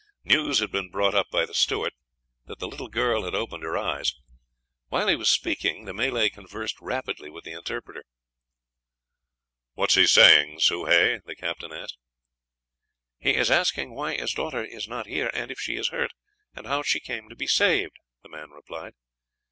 News had been brought up by the steward that the little girl had opened her eyes; while he was speaking, the Malay conversed rapidly with the interpreter. "What is he saying, Soh Hay?" the captain asked. "He is asking why his daughter is not here, and if she is hurt, and how she came to be saved," the man replied.